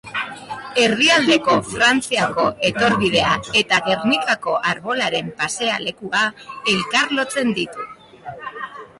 Erdialdeko Frantziako etorbidea eta Gernikako Arbolaren pasealekua elkarlotzen ditu.